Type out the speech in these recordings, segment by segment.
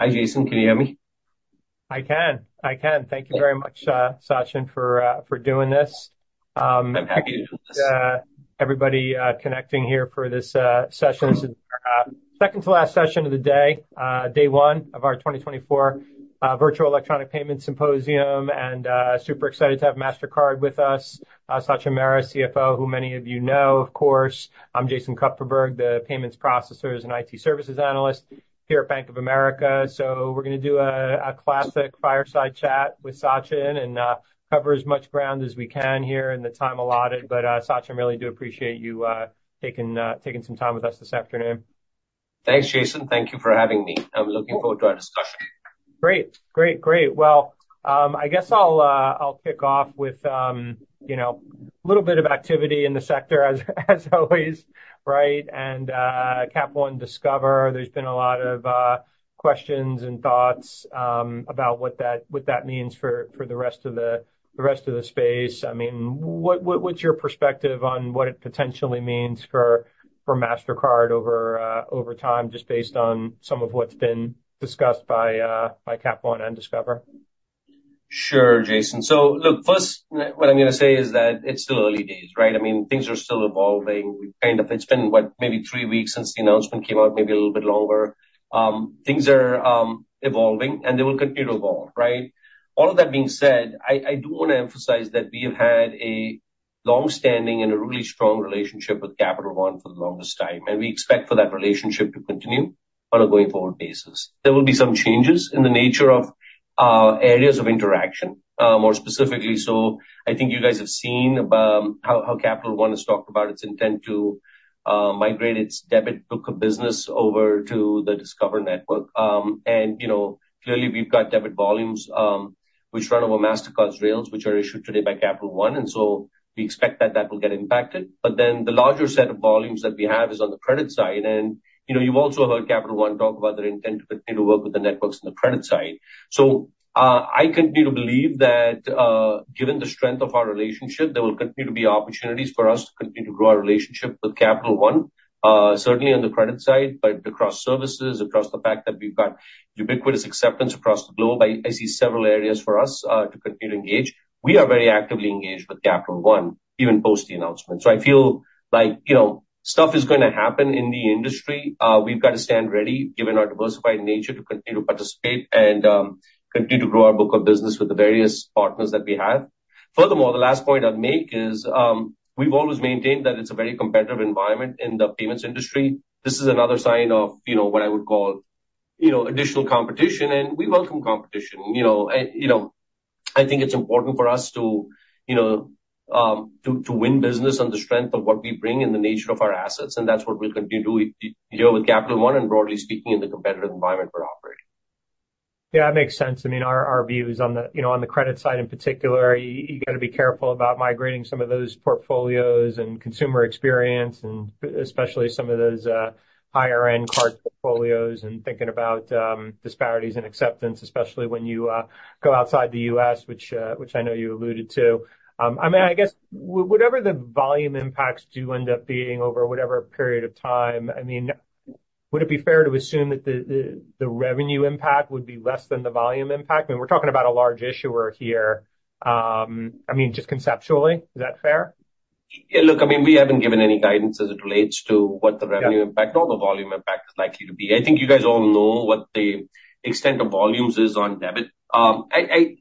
Hi, Jason. Can you hear me? I can. I can. Thank you very much, Sachin, for doing this. I'm happy to do this. Everybody connecting here for this session. This is our second-to-last session of the day, day one of our 2024 Virtual Electronic Payments Symposium, and super excited to have Mastercard with us, Sachin Mehra, CFO, who many of you know, of course. I'm Jason Kupferberg, the payments processor and IT services analyst here at Bank of America. We're going to do a classic fireside chat with Sachin and cover as much ground as we can here in the time allotted. Sachin, I really do appreciate you taking some time with us this afternoon. Thanks, Jason. Thank you for having me. I'm looking forward to our discussion. Great. Great. Great. Well, I guess I'll kick off with a little bit of activity in the sector, as always, right? Cap One Discover, there's been a lot of questions and thoughts about what that means for the rest of the space. I mean, what's your perspective on what it potentially means for Mastercard over time, just based on some of what's been discussed by Cap One and Discover? Sure, Jason. So look, first, what I'm going to say is that it's still early days, right? I mean, things are still evolving. It's been maybe three weeks since the announcement came out, maybe a little bit longer. Things are evolving, and they will continue to evolve, right? All of that being said, I do want to emphasize that we have had a longstanding and a really strong relationship with Capital One for the longest time, and we expect for that relationship to continue on a going forward basis. There will be some changes in the nature of areas of interaction, more specifically. So I think you guys have seen how Capital One has talked about its intent to migrate its debit book of business over to the Discover network. And clearly, we've got debit volumes which run over Mastercard's rails, which are issued today by Capital One. We expect that that will get impacted. But then the larger set of volumes that we have is on the credit side. And you've also heard Capital One talk about their intent to continue to work with the networks on the credit side. So I continue to believe that given the strength of our relationship, there will continue to be opportunities for us to continue to grow our relationship with Capital One, certainly on the credit side, but across services, across the fact that we've got ubiquitous acceptance across the globe. I see several areas for us to continue to engage. We are very actively engaged with Capital One, even post the announcement. So I feel like stuff is going to happen in the industry. We've got to stand ready, given our diversified nature, to continue to participate and continue to grow our book of business with the various partners that we have. Furthermore, the last point I'd make is we've always maintained that it's a very competitive environment in the payments industry. This is another sign of what I would call additional competition, and we welcome competition. I think it's important for us to win business on the strength of what we bring and the nature of our assets. That's what we'll continue to do here with Capital One and, broadly speaking, in the competitive environment we're operating. Yeah, that makes sense. I mean, our views on the credit side in particular, you got to be careful about migrating some of those portfolios and consumer experience, and especially some of those higher-end card portfolios, and thinking about disparities in acceptance, especially when you go outside the U.S., which I know you alluded to. I mean, I guess whatever the volume impacts do end up being over whatever period of time, I mean, would it be fair to assume that the revenue impact would be less than the volume impact? I mean, we're talking about a large issuer here. I mean, just conceptually, is that fair? Yeah. Look, I mean, we haven't given any guidance as it relates to what the revenue impact or the volume impact is likely to be. I think you guys all know what the extent of volumes is on debit.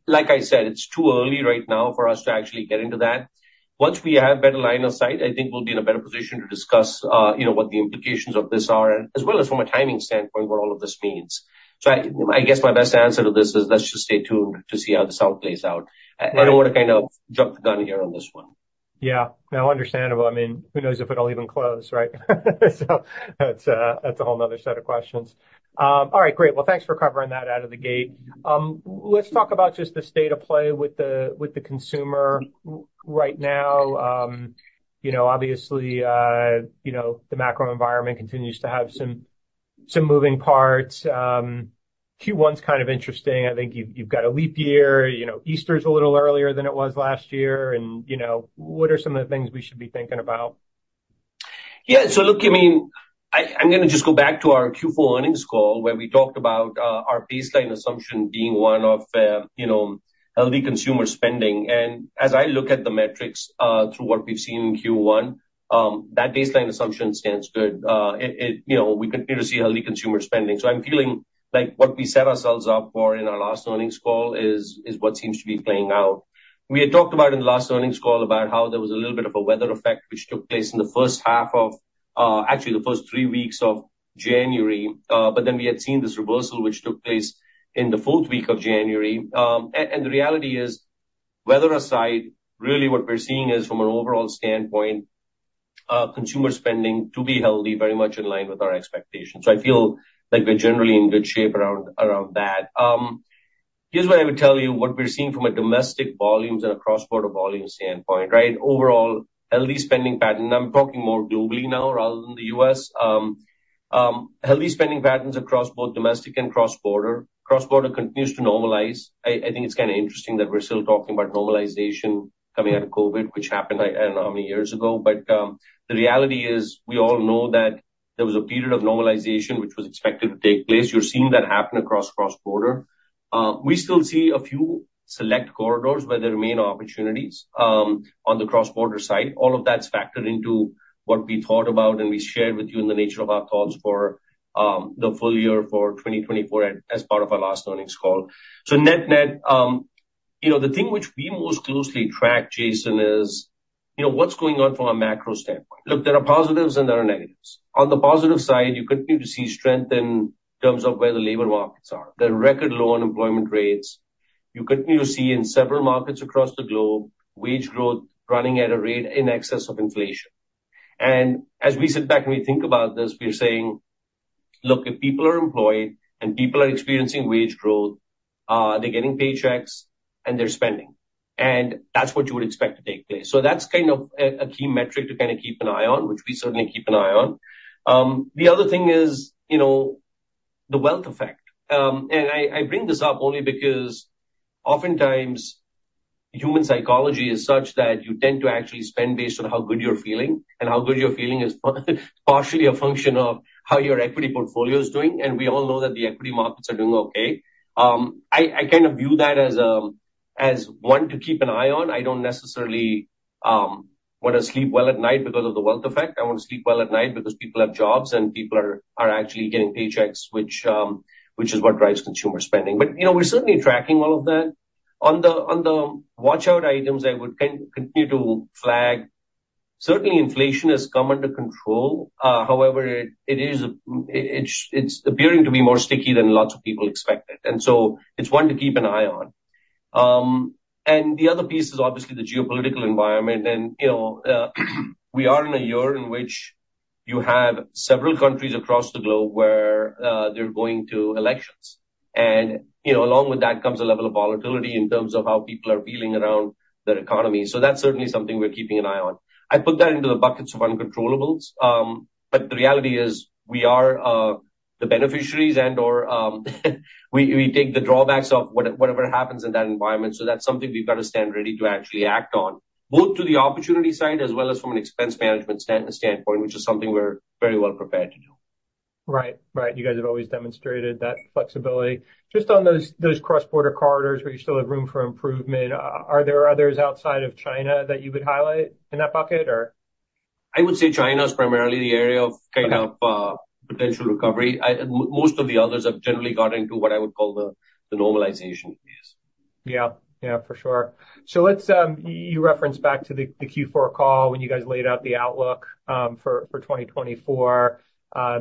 Like I said, it's too early right now for us to actually get into that. Once we have a better line of sight, I think we'll be in a better position to discuss what the implications of this are, as well as from a timing standpoint, what all of this means. So I guess my best answer to this is let's just stay tuned to see how this all plays out. I don't want to kind of jump the gun here on this one. Yeah. No, understandable. I mean, who knows if it'll even close, right? So that's a whole nother set of questions. All right. Great. Well, thanks for covering that out of the gate. Let's talk about just the state of play with the consumer right now. Obviously, the macro environment continues to have some moving parts. Q1's kind of interesting. I think you've got a leap year. Easter's a little earlier than it was last year. And what are some of the things we should be thinking about? Yeah. So look, I mean, I'm going to just go back to our Q4 earnings call where we talked about our baseline assumption being one of healthy consumer spending. And as I look at the metrics through what we've seen in Q1, that baseline assumption stands good. We continue to see healthy consumer spending. So I'm feeling like what we set ourselves up for in our last earnings call is what seems to be playing out. We had talked about in the last earnings call about how there was a little bit of a weather effect, which took place in the first half of actually, the first three weeks of January. But then we had seen this reversal, which took place in the fourth week of January. And the reality is, weather aside, really, what we're seeing is, from an overall standpoint, consumer spending to be healthy, very much in line with our expectations. So I feel like we're generally in good shape around that. Here's what I would tell you: what we're seeing from a domestic volumes and a cross-border volumes standpoint, right, overall healthy spending pattern and I'm talking more globally now rather than the US. Healthy spending patterns across both domestic and cross-border. Cross-border continues to normalize. I think it's kind of interesting that we're still talking about normalization coming out of COVID, which happened, I don't know how many years ago. But the reality is, we all know that there was a period of normalization which was expected to take place. You're seeing that happen across cross-border. We still see a few select corridors where there remain opportunities on the cross-border side. All of that's factored into what we thought about, and we shared with you in the nature of our thoughts for the full year for 2024 as part of our last earnings call. So net-net, the thing which we most closely track, Jason, is what's going on from a macro standpoint. Look, there are positives, and there are negatives. On the positive side, you continue to see strength in terms of where the labor markets are. There are record low unemployment rates. You continue to see in several markets across the globe wage growth running at a rate in excess of inflation. And as we sit back and we think about this, we're saying, "Look, if people are employed and people are experiencing wage growth, they're getting paychecks, and they're spending." And that's what you would expect to take place. So that's kind of a key metric to kind of keep an eye on, which we certainly keep an eye on. The other thing is the wealth effect. And I bring this up only because, oftentimes, human psychology is such that you tend to actually spend based on how good you're feeling. And how good you're feeling is partially a function of how your equity portfolio is doing. And we all know that the equity markets are doing okay. I kind of view that as one to keep an eye on. I don't necessarily want to sleep well at night because of the wealth effect. I want to sleep well at night because people have jobs, and people are actually getting paychecks, which is what drives consumer spending. But we're certainly tracking all of that. On the watch-out items, I would continue to flag certainly, inflation has come under control. However, it's appearing to be more sticky than lots of people expected. And so it's one to keep an eye on. And the other piece is, obviously, the geopolitical environment. And we are in a year in which you have several countries across the globe where there are going to elections. And along with that comes a level of volatility in terms of how people are feeling around their economies. So that's certainly something we're keeping an eye on. I put that into the buckets of uncontrollables. But the reality is, we are the beneficiaries, and/or we take the drawbacks of whatever happens in that environment. So that's something we've got to stand ready to actually act on, both to the opportunity side as well as from an expense management standpoint, which is something we're very well prepared to do. Right. Right. You guys have always demonstrated that flexibility. Just on those cross-border corridors, where you still have room for improvement, are there others outside of China that you would highlight in that bucket, or? I would say China is primarily the area of kind of potential recovery. Most of the others have generally got into what I would call the normalization phase. Yeah. Yeah, for sure. So you referenced back to the Q4 call when you guys laid out the outlook for 2024.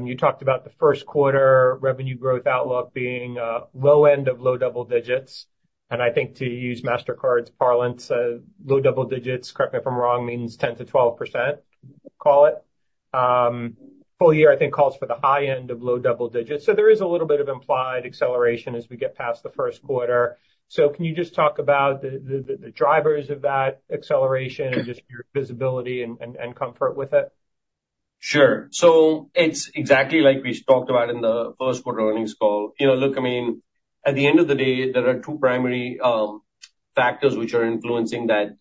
You talked about the first quarter revenue growth outlook being low end of low double digits. And I think, to use Mastercard's parlance, low double digits - correct me if I'm wrong - means 10%-12%, call it. Full year, I think, calls for the high end of low double digits. So there is a little bit of implied acceleration as we get past the first quarter. So can you just talk about the drivers of that acceleration and just your visibility and comfort with it? Sure. So it's exactly like we talked about in the first quarter earnings call. Look, I mean, at the end of the day, there are two primary factors which are influencing that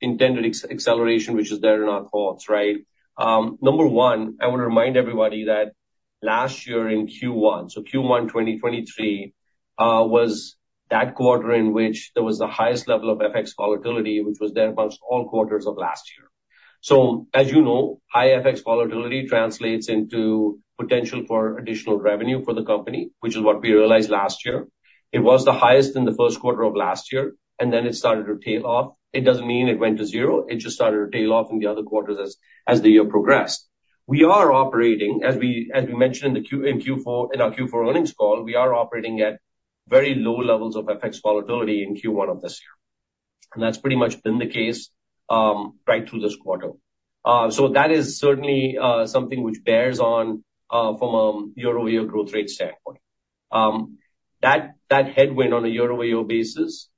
intended acceleration, which is there in our thoughts, right? Number one, I want to remind everybody that last year in Q1, so Q1 2023, was that quarter in which there was the highest level of FX volatility, which was there amongst all quarters of last year. So as you know, high FX volatility translates into potential for additional revenue for the company, which is what we realized last year. It was the highest in the first quarter of last year, and then it started to tail off. It doesn't mean it went to zero. It just started to tail off in the other quarters as the year progressed. We are operating, as we mentioned in our Q4 earnings call, at very low levels of FX volatility in Q1 of this year. That's pretty much been the case right through this quarter. That is certainly something which bears on from a year-over-year growth rate standpoint. That headwind on a year-over-year basis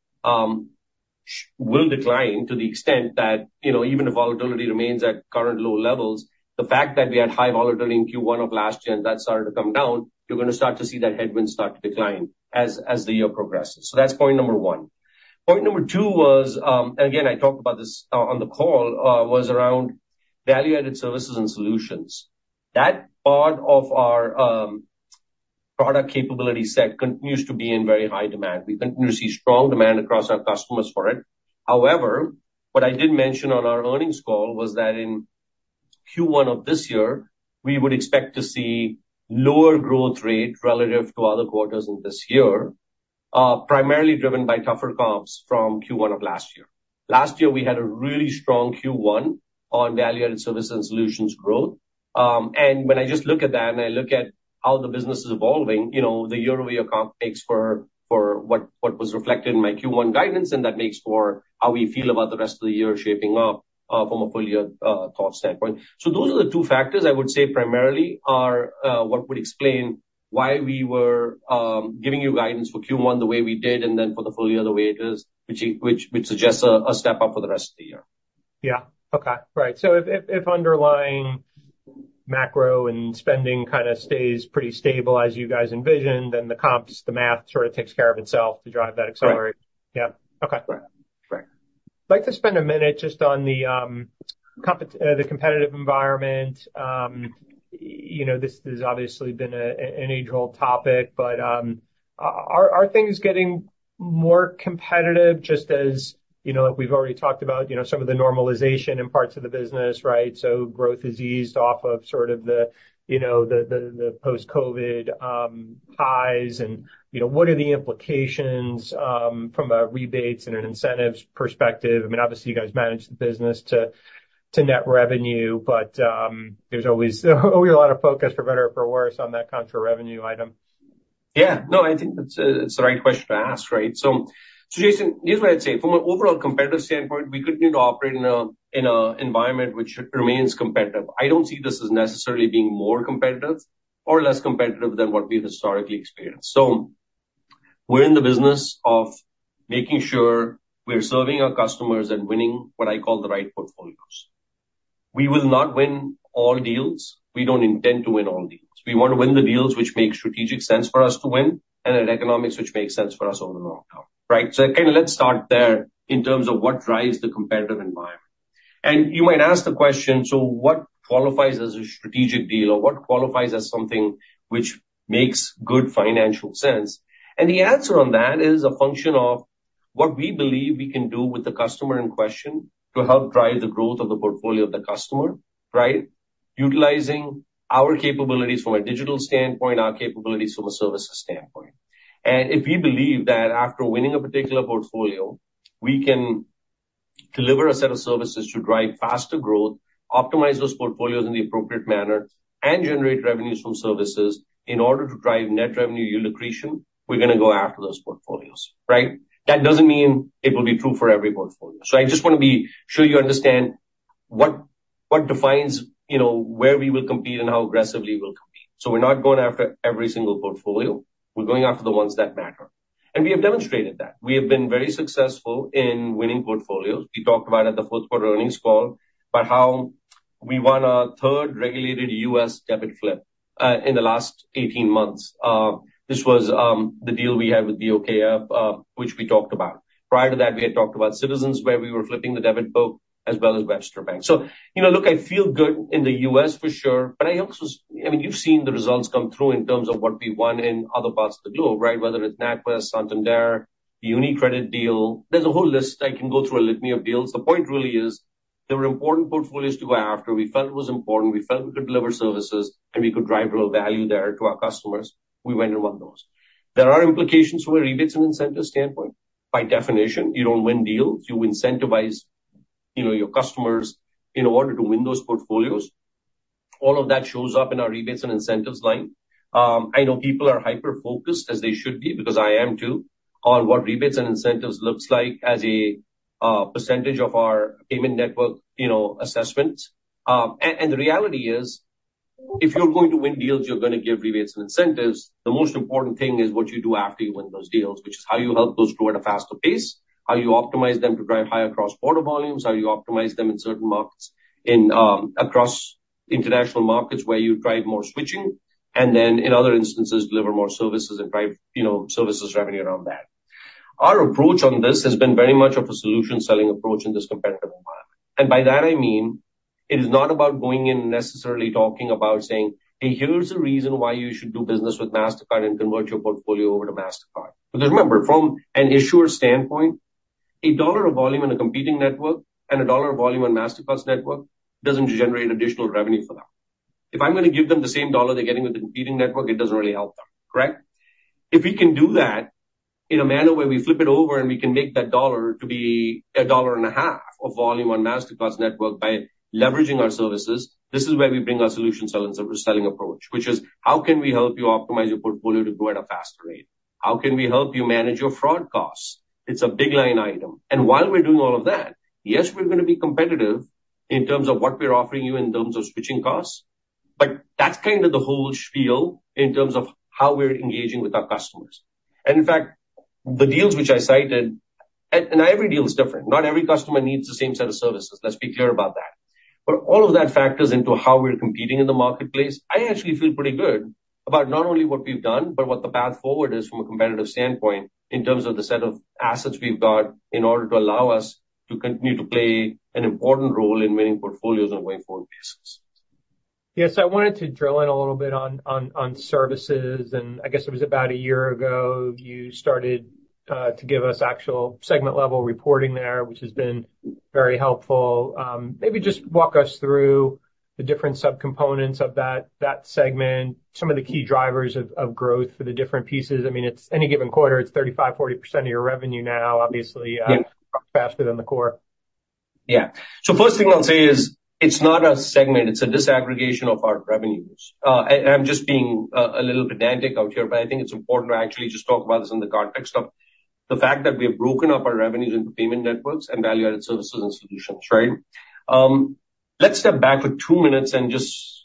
will decline to the extent that even if volatility remains at current low levels, the fact that we had high volatility in Q1 of last year and that started to come down, you're going to start to see that headwind start to decline as the year progresses. That's point number one. Point number two was, and again, I talked about this on the call, around value-added services and solutions. That part of our product capability set continues to be in very high demand. We continue to see strong demand across our customers for it. However, what I did mention on our earnings call was that in Q1 of this year, we would expect to see lower growth rate relative to other quarters in this year, primarily driven by tougher comps from Q1 of last year. Last year, we had a really strong Q1 on value-added services and solutions growth. When I just look at that and I look at how the business is evolving, the year-over-year comp makes for what was reflected in my Q1 guidance, and that makes for how we feel about the rest of the year shaping up from a full-year thought standpoint. So those are the two factors, I would say, primarily are what would explain why we were giving you guidance for Q1 the way we did and then for the full year the way it is, which suggests a step up for the rest of the year. Yeah. Okay. Right. So if underlying macro and spending kind of stays pretty stable as you guys envision, then the comps, the math sort of takes care of itself to drive that acceleration. Yeah. Okay. I'd like to spend a minute just on the competitive environment. This has obviously been an age-old topic. But are things getting more competitive just as we've already talked about some of the normalization in parts of the business, right? So growth has eased off of sort of the post-COVID highs. And what are the implications from a rebates and an incentives perspective? I mean, obviously, you guys manage the business to net revenue, but there's always a lot of focus, for better or for worse, on that contra revenue item. Yeah. No, I think it's the right question to ask, right? So, Jason, here's what I'd say. From an overall competitive standpoint, we continue to operate in an environment which remains competitive. I don't see this as necessarily being more competitive or less competitive than what we've historically experienced. So we're in the business of making sure we're serving our customers and winning what I call the right portfolios. We will not win all deals. We don't intend to win all deals. We want to win the deals which make strategic sense for us to win and at economics which make sense for us over the long term, right? So kind of let's start there in terms of what drives the competitive environment. You might ask the question, "So what qualifies as a strategic deal, or what qualifies as something which makes good financial sense?" The answer on that is a function of what we believe we can do with the customer in question to help drive the growth of the portfolio of the customer, right, utilizing our capabilities from a digital standpoint, our capabilities from a services standpoint. If we believe that after winning a particular portfolio, we can deliver a set of services to drive faster growth, optimize those portfolios in the appropriate manner, and generate revenues from services in order to drive net revenue yield accretion, we're going to go after those portfolios, right? That doesn't mean it will be true for every portfolio. I just want to be sure you understand what defines where we will compete and how aggressively we'll compete. So we're not going after every single portfolio. We're going after the ones that matter. And we have demonstrated that. We have been very successful in winning portfolios. We talked about at the fourth quarter earnings call about how we won our third regulated US debit flip in the last 18 months. This was the deal we had with BOKF, which we talked about. Prior to that, we had talked about Citizens, where we were flipping the debit book, as well as Webster Bank. So, look, I feel good in the US, for sure. But I also, I mean, you've seen the results come through in terms of what we won in other parts of the globe, right, whether it's NatWest, Santander, the UniCredit deal. There's a whole list. I can go through a litany of deals. The point really is, there were important portfolios to go after. We felt it was important. We felt we could deliver services, and we could drive real value there to our customers. We went and won those. There are implications from a rebates and incentives standpoint. By definition, you don't win deals. You incentivize your customers in order to win those portfolios. All of that shows up in our rebates and incentives line. I know people are hyper-focused, as they should be, because I am too, on what rebates and incentives looks like as a percentage of our payment network assessments. The reality is, if you're going to win deals, you're going to give rebates and incentives. The most important thing is what you do after you win those deals, which is how you help those grow at a faster pace, how you optimize them to drive higher cross-border volumes, how you optimize them in certain markets across international markets where you drive more switching, and then, in other instances, deliver more services and drive services revenue around that. Our approach on this has been very much of a solution-selling approach in this competitive environment. By that, I mean, it is not about going in necessarily talking about saying, "Hey, here's the reason why you should do business with Mastercard and convert your portfolio over to Mastercard." Because remember, from an issuer standpoint, a dollar of volume in a competing network and a dollar of volume on Mastercard's network doesn't generate additional revenue for them. If I'm going to give them the same dollar they're getting with the competing network, it doesn't really help them, correct? If we can do that in a manner where we flip it over and we can make that dollar to be $1.50 of volume on Mastercard's network by leveraging our services, this is where we bring our solution-selling approach, which is, "How can we help you optimize your portfolio to grow at a faster rate? How can we help you manage your fraud costs?" It's a big-line item. And while we're doing all of that, yes, we're going to be competitive in terms of what we're offering you in terms of switching costs. But that's kind of the whole spiel in terms of how we're engaging with our customers. And in fact, the deals which I cited and every deal is different. Not every customer needs the same set of services. Let's be clear about that. But all of that factors into how we're competing in the marketplace. I actually feel pretty good about not only what we've done but what the path forward is from a competitive standpoint in terms of the set of assets we've got in order to allow us to continue to play an important role in winning portfolios on a going forward basis. Yeah. So I wanted to drill in a little bit on services. And I guess it was about a year ago you started to give us actual segment-level reporting there, which has been very helpful. Maybe just walk us through the different subcomponents of that segment, some of the key drivers of growth for the different pieces. I mean, it's any given quarter, it's 35%-40% of your revenue now, obviously, faster than the core. Yeah. So first thing I'll say is, it's not a segment. It's a disaggregation of our revenues. And I'm just being a little pedantic out here, but I think it's important to actually just talk about this in the context of the fact that we have broken up our revenues into payment networks and value-added services and solutions, right? Let's step back for two minutes and just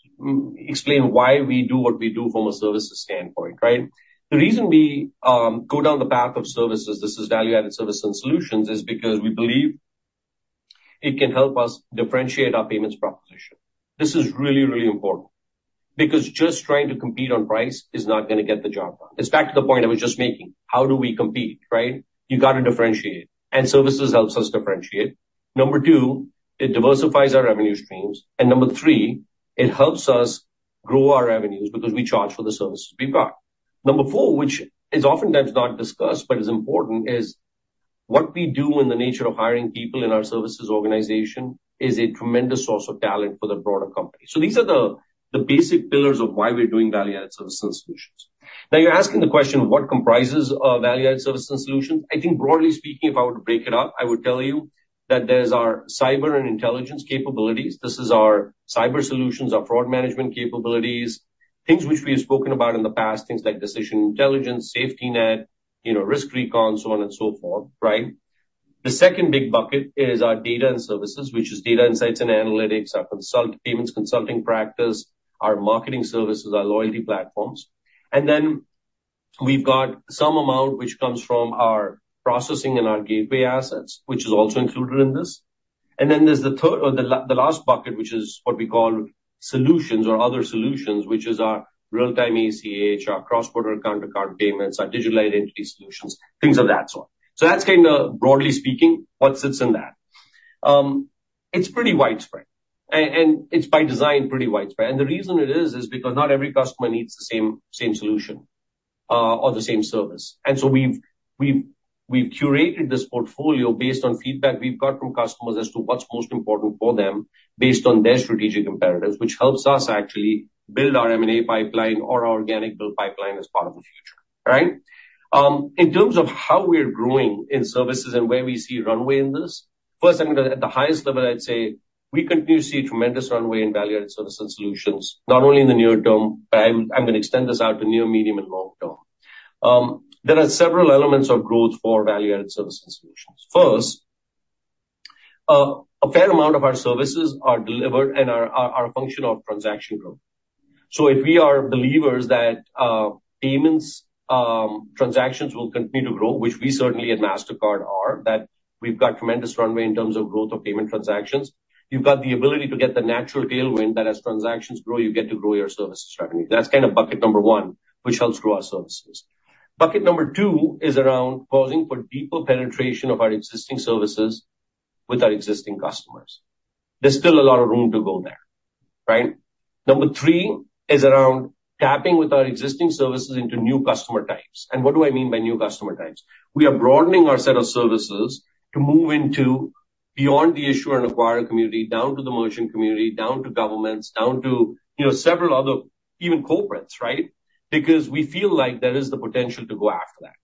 explain why we do what we do from a services standpoint, right? The reason we go down the path of services, this is value-added services and solutions, is because we believe it can help us differentiate our payments proposition. This is really, really important because just trying to compete on price is not going to get the job done. It's back to the point I was just making. How do we compete, right? You got to differentiate. And services helps us differentiate. Number two, it diversifies our revenue streams. And number three, it helps us grow our revenues because we charge for the services we've got. Number four, which is oftentimes not discussed but is important, is what we do in the nature of hiring people in our services organization is a tremendous source of talent for the broader company. So these are the basic pillars of why we're doing value-added services and solutions. Now, you're asking the question, "What comprises value-added services and solutions?" I think, broadly speaking, if I were to break it up, I would tell you that there's our cyber and intelligence capabilities. This is our cyber solutions, our fraud management capabilities, things which we have spoken about in the past, things like Decision Intelligence, SafetyNet, RiskRecon, so on and so forth, right? The second big bucket is our data and services, which is data insights and analytics, our payments consulting practice, our marketing services, our loyalty platforms. And then we've got some amount which comes from our processing and our gateway assets, which is also included in this. And then there's the third or the last bucket, which is what we call solutions or other solutions, which is our real-time ACH, our cross-border counterparty payments, our digital identity solutions, things of that sort. So that's kind of, broadly speaking, what sits in that. It's pretty widespread. And it's by design pretty widespread. And the reason it is is because not every customer needs the same solution or the same service. And so we've curated this portfolio based on feedback we've got from customers as to what's most important for them based on their strategic imperatives, which helps us actually build our M&A pipeline or our organic build pipeline as part of the future, right? In terms of how we're growing in services and where we see runway in this, first, I'm going to at the highest level, I'd say, we continue to see tremendous runway in value-added services and solutions, not only in the near term, but I'm going to extend this out to near, medium, and long term. There are several elements of growth for value-added services and solutions. First, a fair amount of our services are delivered and are a function of transaction growth. So if we are believers that payments transactions will continue to grow, which we certainly at Mastercard are, that we've got tremendous runway in terms of growth of payment transactions, you've got the ability to get the natural tailwind that as transactions grow, you get to grow your services revenue. That's kind of bucket number one, which helps grow our services. Bucket number two is around causing for deeper penetration of our existing services with our existing customers. There's still a lot of room to go there, right? Number three is around tapping with our existing services into new customer types. And what do I mean by new customer types? We are broadening our set of services to move into beyond the issuer and acquirer community, down to the merchant community, down to governments, down to several other even corporates, right, because we feel like there is the potential to go after that.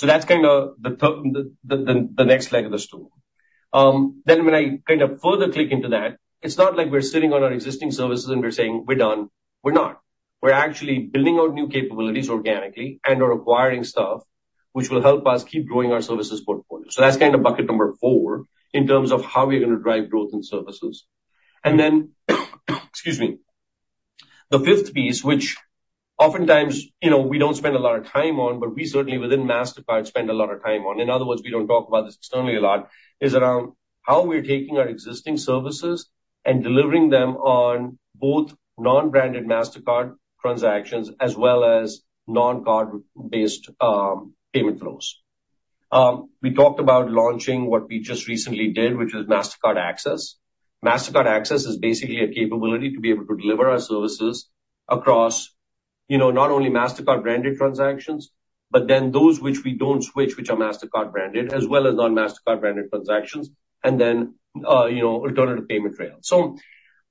So that's kind of the next leg of the stool. Then when I kind of further click into that, it's not like we're sitting on our existing services and we're saying, "We're done." We're not. We're actually building out new capabilities organically and/or acquiring stuff which will help us keep growing our services portfolio. So that's kind of bucket number four in terms of how we are going to drive growth in services. And then, excuse me, the fifth piece, which oftentimes we don't spend a lot of time on, but we certainly, within Mastercard, spend a lot of time on, in other words, we don't talk about this externally a lot, is around how we're taking our existing services and delivering them on both non-branded Mastercard transactions as well as non-card-based payment flows. We talked about launching what we just recently did, which is Mastercard Access. Mastercard Access is basically a capability to be able to deliver our services across not only Mastercard-branded transactions but then those which we don't switch, which are Mastercard-branded, as well as non-Mastercard-branded transactions, and then alternative payment rails. So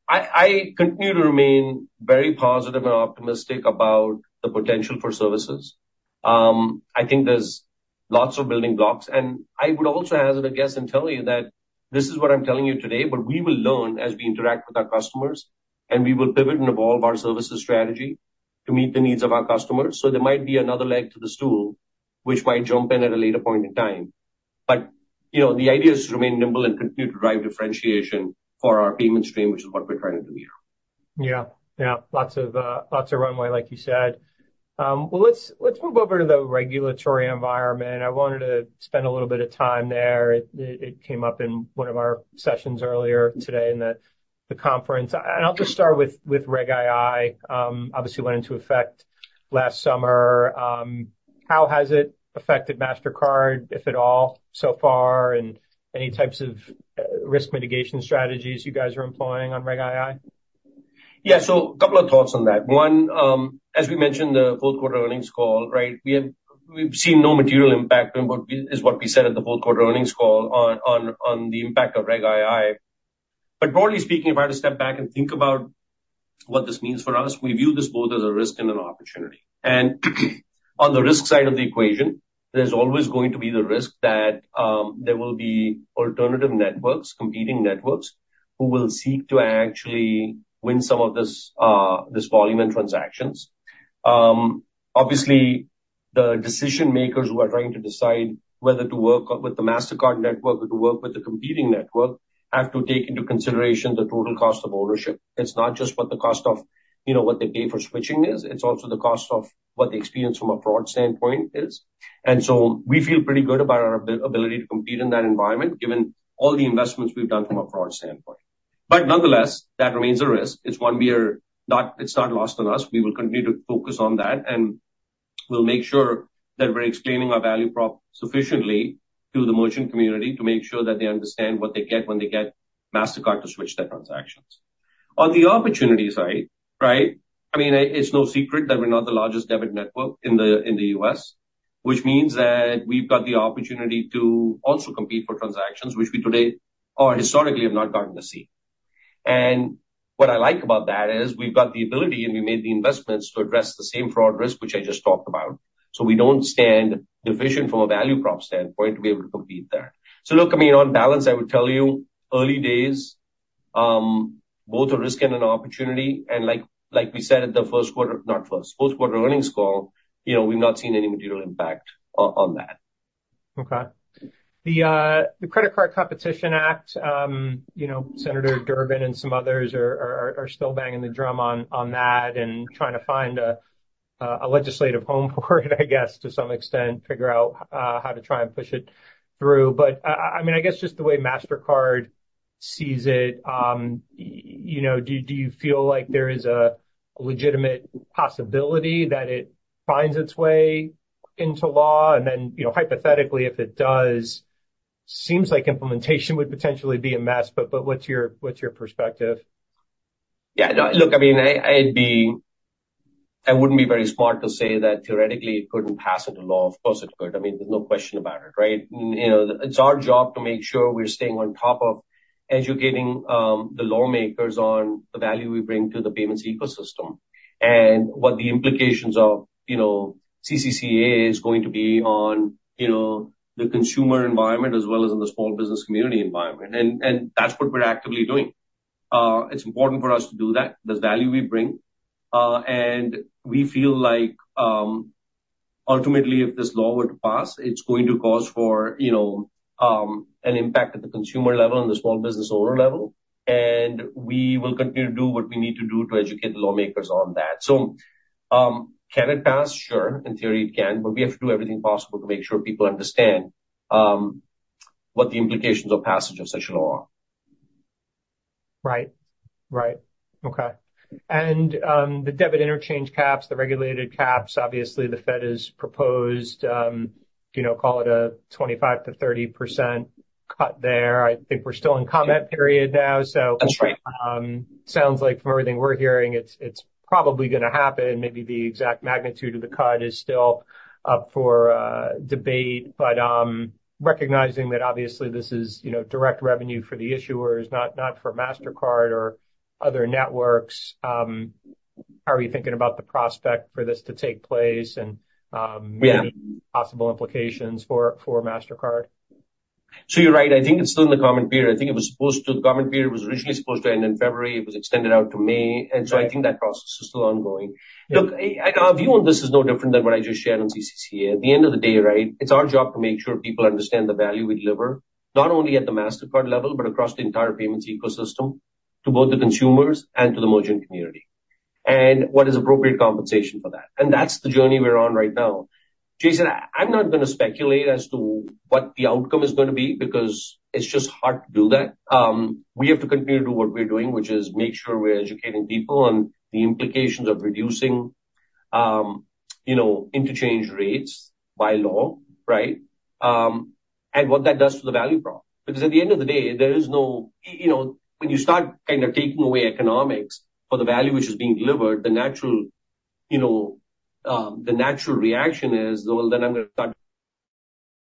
I continue to remain very positive and optimistic about the potential for services. I think there's lots of building blocks. And I would also hazard a guess and tell you that this is what I'm telling you today, but we will learn as we interact with our customers, and we will pivot and evolve our services strategy to meet the needs of our customers. So there might be another leg to the stool which might jump in at a later point in time. But the idea is to remain nimble and continue to drive differentiation for our payment stream, which is what we're trying to do here. Yeah. Yeah. Lots of runway, like you said. Well, let's move over to the regulatory environment. I wanted to spend a little bit of time there. It came up in one of our sessions earlier today in the conference. And I'll just start with Reg. II. Obviously, it went into effect last summer. How has it affected Mastercard, if at all, so far and any types of risk mitigation strategies you guys are employing on Reg. II? Yeah. So a couple of thoughts on that. One, as we mentioned in the fourth quarter earnings call, right, we've seen no material impact is what we said at the fourth quarter earnings call on the impact of Reg. II. But broadly speaking, if I had to step back and think about what this means for us, we view this both as a risk and an opportunity. And on the risk side of the equation, there's always going to be the risk that there will be alternative networks, competing networks, who will seek to actually win some of this volume and transactions. Obviously, the decision-makers who are trying to decide whether to work with the Mastercard network or to work with the competing network have to take into consideration the total cost of ownership. It's not just what the cost of what they pay for switching is. It's also the cost of what the experience from a fraud standpoint is. And so we feel pretty good about our ability to compete in that environment given all the investments we've done from a fraud standpoint. But nonetheless, that remains a risk. It's one we are not. It's not lost on us. We will continue to focus on that. And we'll make sure that we're explaining our value prop sufficiently to the merchant community to make sure that they understand what they get when they get Mastercard to switch their transactions. On the opportunity side, right, I mean, it's no secret that we're not the largest debit network in the U.S., which means that we've got the opportunity to also compete for transactions, which we today or historically have not gotten to see. What I like about that is we've got the ability, and we made the investments, to address the same fraud risk which I just talked about. So we don't stand deficient from a value prop standpoint to be able to compete there. So look, I mean, on balance, I would tell you, early days, both a risk and an opportunity. And like we said at the first quarter not first, fourth quarter earnings call, we've not seen any material impact on that. Okay. The Credit Card Competition Act, Senator Durbin and some others are still banging the drum on that and trying to find a legislative home for it, I guess, to some extent, figure out how to try and push it through. But I mean, I guess just the way Mastercard sees it, do you feel like there is a legitimate possibility that it finds its way into law? And then hypothetically, if it does, it seems like implementation would potentially be a mess. But what's your perspective? Yeah. Look, I mean, I wouldn't be very smart to say that theoretically, it couldn't pass into law. Of course, it could. I mean, there's no question about it, right? It's our job to make sure we're staying on top of educating the lawmakers on the value we bring to the payments ecosystem and what the implications of CCCA is going to be on the consumer environment as well as in the small business community environment. And that's what we're actively doing. It's important for us to do that, the value we bring. And we feel like, ultimately, if this law were to pass, it's going to cause for an impact at the consumer level and the small business owner level. And we will continue to do what we need to do to educate the lawmakers on that. So can it pass? Sure. In theory, it can. But we have to do everything possible to make sure people understand what the implications of passage of such a law are. Right. Right. Okay. And the debit interchange caps, the regulated caps, obviously, the Fed has proposed, call it, a 25%-30% cut there. I think we're still in comment period now, so. That's right. Sounds like, from everything we're hearing, it's probably going to happen. Maybe the exact magnitude of the cut is still up for debate. But recognizing that, obviously, this is direct revenue for the issuers, not for Mastercard or other networks, how are you thinking about the prospect for this to take place and any possible implications for Mastercard? So you're right. I think it's still in the comment period. I think the comment period was originally supposed to end in February. It was extended out to May. And so I think that process is still ongoing. Look, our view on this is no different than what I just shared on CCCA. At the end of the day, right, it's our job to make sure people understand the value we deliver, not only at the Mastercard level but across the entire payments ecosystem to both the consumers and to the merchant community, and what is appropriate compensation for that. And that's the journey we're on right now. Jason, I'm not going to speculate as to what the outcome is going to be because it's just hard to do that. We have to continue to do what we're doing, which is make sure we're educating people on the implications of reducing interchange rates by law, right, and what that does to the value prop. Because at the end of the day, there is no when you start kind of taking away economics for the value which is being delivered, the natural reaction is, "Well, then I'm going to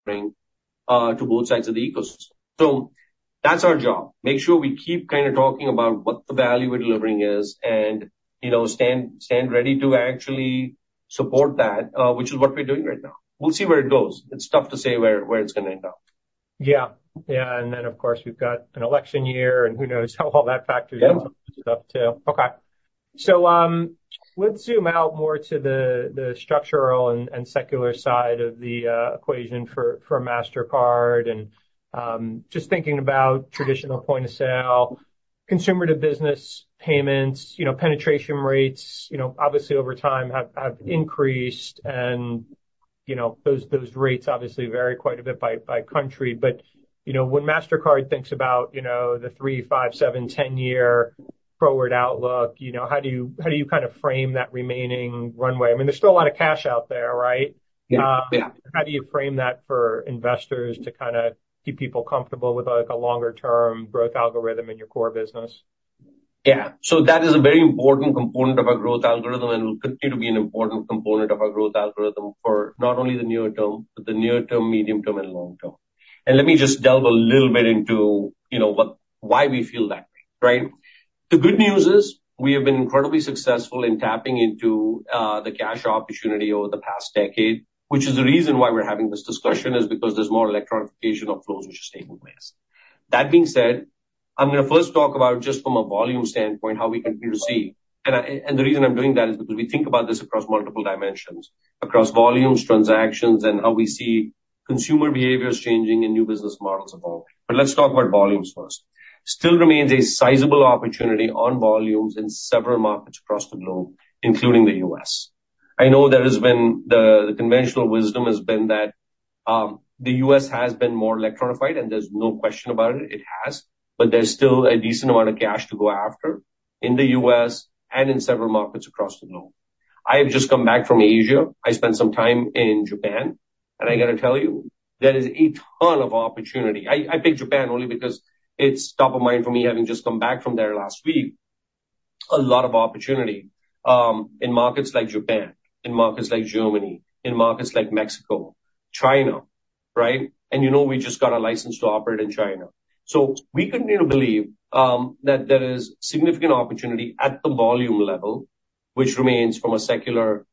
start to both sides of the ecosystem." So that's our job, make sure we keep kind of talking about what the value we're delivering is and stand ready to actually support that, which is what we're doing right now. We'll see where it goes. It's tough to say where it's going to end up. Yeah. Yeah. And then, of course, we've got an election year, and who knows how all that factors into all this stuff too. Okay. So let's zoom out more to the structural and secular side of the equation for Mastercard. And just thinking about traditional point of sale, consumer-to-business payments, penetration rates, obviously, over time have increased. And those rates, obviously, vary quite a bit by country. But when Mastercard thinks about the three-, five-, seven-, 10-year forward outlook, how do you kind of frame that remaining runway? I mean, there's still a lot of cash out there, right? How do you frame that for investors to kind of keep people comfortable with a longer-term growth algorithm in your core business? Yeah. So that is a very important component of our growth algorithm and will continue to be an important component of our growth algorithm for not only the near term but the near term, medium term, and long term. And let me just delve a little bit into why we feel that way, right? The good news is we have been incredibly successful in tapping into the cash opportunity over the past decade. Which is the reason why we're having this discussion is because there's more electronification of flows which is taking place. That being said, I'm going to first talk about, just from a volume standpoint, how we continue to see and the reason I'm doing that is because we think about this across multiple dimensions, across volumes, transactions, and how we see consumer behaviors changing and new business models evolving. But let's talk about volumes first. Still remains a sizable opportunity on volumes in several markets across the globe, including the US. I know there has been the conventional wisdom has been that the US has been more electronified, and there's no question about it. It has. But there's still a decent amount of cash to go after in the US and in several markets across the globe. I have just come back from Asia. I spent some time in Japan. And I got to tell you, there is a ton of opportunity. I picked Japan only because it's top of mind for me, having just come back from there last week, a lot of opportunity in markets like Japan, in markets like Germany, in markets like Mexico, China, right? And we just got a license to operate in China. So we continue to believe that there is significant opportunity at the volume level, which remains from a secular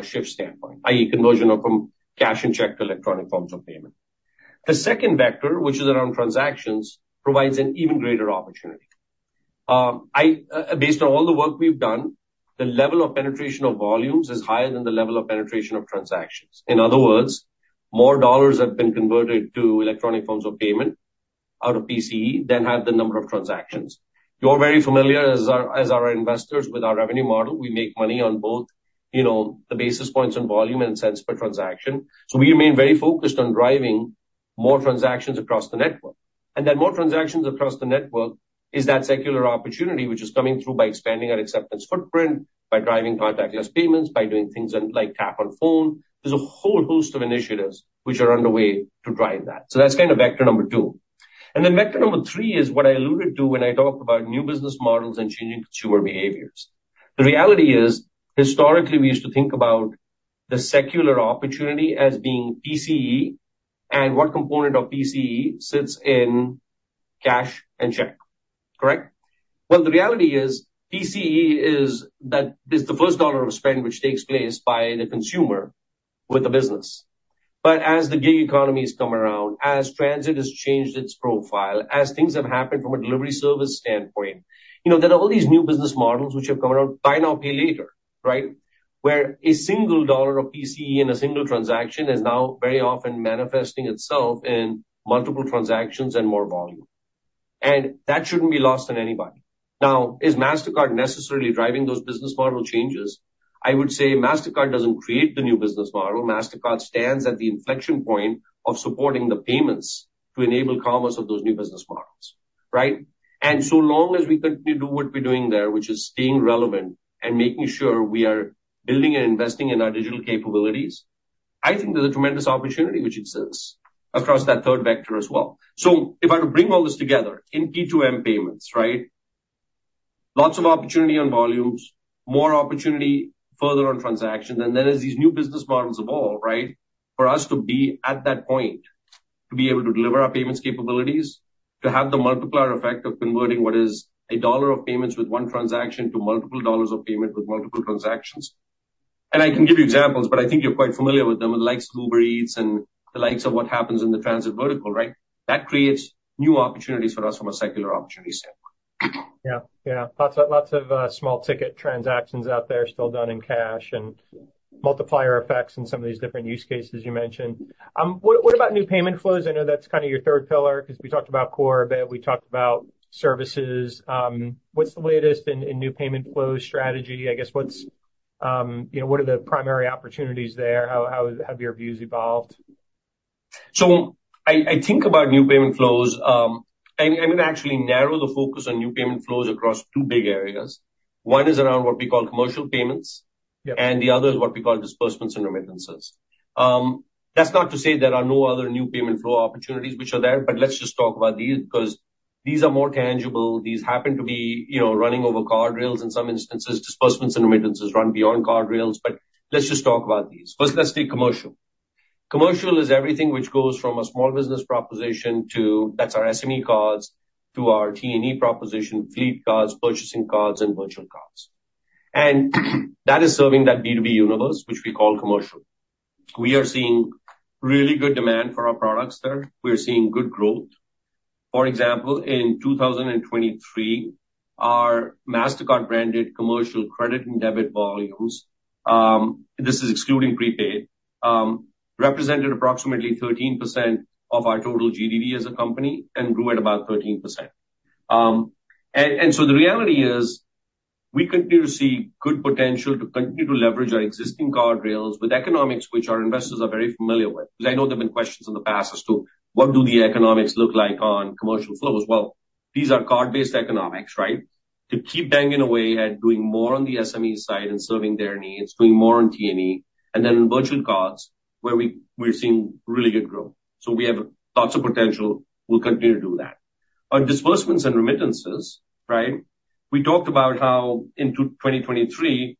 shift standpoint, i.e., conversion from cash and check to electronic forms of payment. The second vector, which is around transactions, provides an even greater opportunity. Based on all the work we've done, the level of penetration of volumes is higher than the level of penetration of transactions. In other words, more dollars have been converted to electronic forms of payment out of PCE than have the number of transactions. You're very familiar, as our investors, with our revenue model. We make money on both the basis points in volume and cents per transaction. So we remain very focused on driving more transactions across the network. That more transactions across the network is that secular opportunity which is coming through by expanding our acceptance footprint, by driving contactless payments, by doing things like Tap on Phone. There's a whole host of initiatives which are underway to drive that. That's kind of vector number-2. Vector number 3 is what I alluded to when I talked about new business models and changing consumer behaviors. The reality is, historically, we used to think about the secular opportunity as being PCE and what component of PCE sits in cash and check, correct? Well, the reality is PCE is the first dollar of spend which takes place by the consumer with a business. But as the gig economy has come around, as transit has changed its profile, as things have happened from a delivery service standpoint, there are all these new business models which have come around, "Buy now, pay later," right, where a single dollar of PCE in a single transaction is now very often manifesting itself in multiple transactions and more volume. And that shouldn't be lost on anybody. Now, is Mastercard necessarily driving those business model changes? I would say Mastercard doesn't create the new business model. Mastercard stands at the inflection point of supporting the payments to enable commerce of those new business models, right? And so long as we continue to do what we're doing there, which is staying relevant and making sure we are building and investing in our digital capabilities, I think there's a tremendous opportunity which exists across that third vector as well. So if I were to bring all this together in P2M payments, right, lots of opportunity on volumes, more opportunity further on transactions, and then as these new business models evolve, right, for us to be at that point to be able to deliver our payments capabilities, to have the multiplier effect of converting what is a dollar of payments with one transaction to multiple dollars of payment with multiple transactions and I can give you examples, but I think you're quite familiar with them, the likes of Uber Eats and the likes of what happens in the transit vertical, right, that creates new opportunities for us from a secular opportunity standpoint. Yeah. Yeah. Lots of small-ticket transactions out there still done in cash and multiplier effects in some of these different use cases you mentioned. What about new payment flows? I know that's kind of your third pillar because we talked about Core, but we talked about services. What's the latest in new payment flows strategy? I guess, what are the primary opportunities there? How have your views evolved? I think about new payment flows. I'm going to actually narrow the focus on new payment flows across two big areas. One is around what we call commercial payments, and the other is what we call disbursements and remittances. That's not to say there are no other new payment flow opportunities which are there, but let's just talk about these because these are more tangible. These happen to be running over card rails. In some instances, disbursements and remittances run beyond card rails. But let's just talk about these. First, let's take commercial. Commercial is everything which goes from a small business proposition to, that's our SME cards to our T&E proposition, fleet cards, purchasing cards, and virtual cards. That is serving that B2B universe which we call commercial. We are seeing really good demand for our products there. We are seeing good growth. For example, in 2023, our Mastercard-branded commercial credit and debit volumes this is excluding prepaid represented approximately 13% of our total GPV as a company and grew at about 13%. And so the reality is we continue to see good potential to continue to leverage our existing card rails with economics which our investors are very familiar with because I know there have been questions in the past as to, "What do the economics look like on commercial flows?" Well, these are card-based economics, right, to keep banging away at doing more on the SME side and serving their needs, doing more on T&E, and then virtual cards where we're seeing really good growth. So we have lots of potential. We'll continue to do that. On disbursements and remittances, right, we talked about how, in 2023,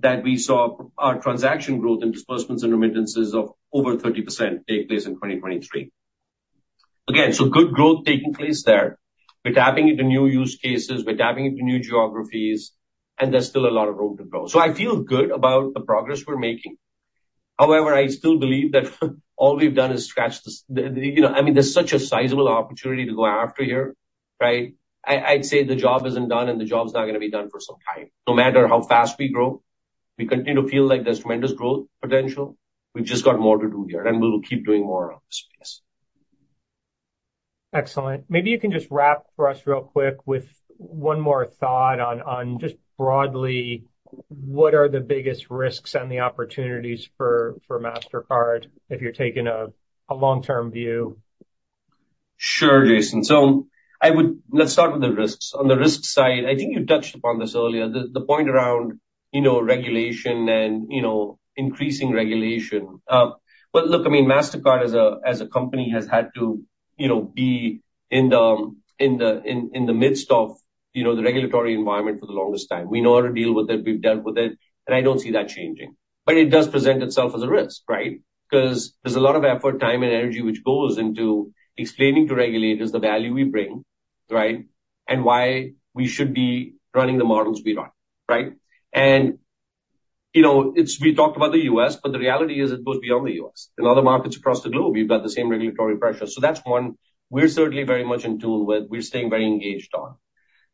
that we saw our transaction growth in disbursements and remittances of over 30% take place in 2023. Again, so good growth taking place there. We're tapping into new use cases. We're tapping into new geographies. And there's still a lot of room to grow. So I feel good about the progress we're making. However, I still believe that all we've done is scratch the surface, I mean, there's such a sizable opportunity to go after here, right. I'd say the job isn't done, and the job's not going to be done for some time. No matter how fast we grow, we continue to feel like there's tremendous growth potential. We've just got more to do here, and we will keep doing more around this space. Excellent. Maybe you can just wrap for us real quick with one more thought on, just broadly, what are the biggest risks and the opportunities for Mastercard if you're taking a long-term view? Sure, Jason. So let's start with the risks. On the risk side, I think you touched upon this earlier, the point around regulation and increasing regulation. Well, look, I mean, Mastercard, as a company, has had to be in the midst of the regulatory environment for the longest time. We know how to deal with it. We've dealt with it. And I don't see that changing. But it does present itself as a risk, right, because there's a lot of effort, time, and energy which goes into explaining to regulators the value we bring, right, and why we should be running the models we run, right? And we talked about the U.S., but the reality is it goes beyond the U.S. In other markets across the globe, you've got the same regulatory pressure. So that's one we're certainly very much in tune with. We're staying very engaged on.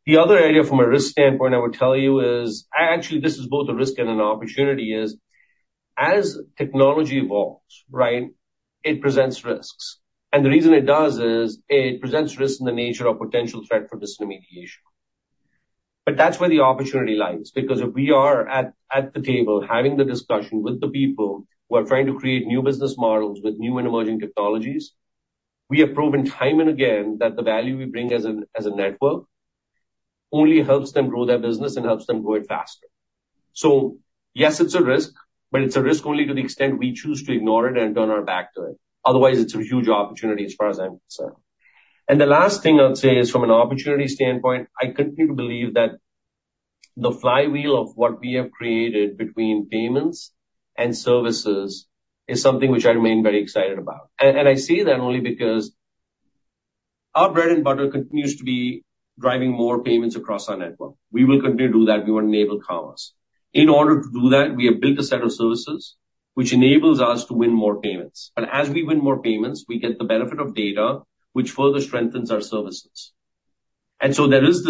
The other area, from a risk standpoint, I would tell you is actually, this is both a risk and an opportunity, is as technology evolves, right, it presents risks. And the reason it does is it presents risks in the nature of potential threat for disintermediation. But that's where the opportunity lies because if we are at the table having the discussion with the people who are trying to create new business models with new and emerging technologies, we have proven time and again that the value we bring as a network only helps them grow their business and helps them grow it faster. So yes, it's a risk, but it's a risk only to the extent we choose to ignore it and turn our back to it. Otherwise, it's a huge opportunity as far as I'm concerned. The last thing I'd say is, from an opportunity standpoint, I continue to believe that the flywheel of what we have created between payments and services is something which I remain very excited about. I say that only because our bread and butter continues to be driving more payments across our network. We will continue to do that. We want to enable commerce. In order to do that, we have built a set of services which enables us to win more payments. But as we win more payments, we get the benefit of data which further strengthens our services. And so there is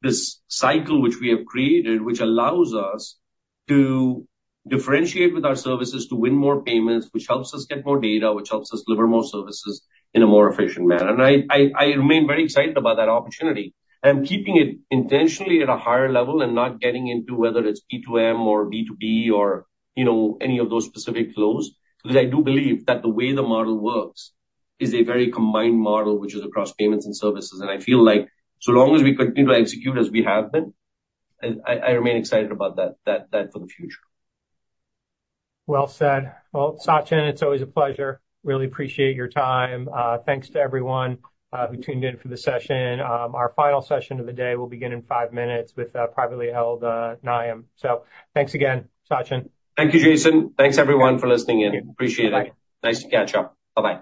this cycle which we have created which allows us to differentiate with our services to win more payments which helps us get more data, which helps us deliver more services in a more efficient manner. I remain very excited about that opportunity. I'm keeping it intentionally at a higher level and not getting into whether it's P2M or B2B or any of those specific flows because I do believe that the way the model works is a very combined model which is across payments and services. I feel like, so long as we continue to execute as we have been, I remain excited about that for the future. Well said. Well, Sachin, it's always a pleasure. Really appreciate your time. Thanks to everyone who tuned in for the session. Our final session of the day will begin in five minutes with privately held Nium. So thanks again, Sachin. Thank you, Jason. Thanks, everyone, for listening in. Appreciate it. You're welcome. Nice to catch up. Bye-bye.